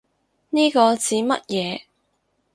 呢個指乜嘢